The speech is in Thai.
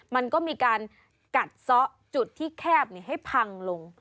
มันก็มีการกัดซ้อจุดที่แคบให้พังลง